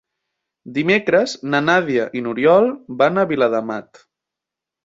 Dimecres na Nàdia i n'Oriol van a Viladamat.